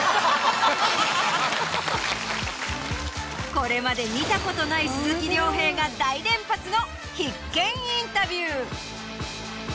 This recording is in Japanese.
これまで見たことない鈴木亮平が大連発の必見インタビュー。